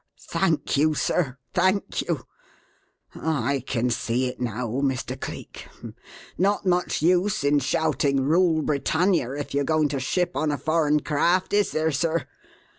"Thank you, sir; thank you! I can see it now, Mr. Cleek. Not much use in shouting 'Rule Britannia' if you're going to ship on a foreign craft, is there, sir?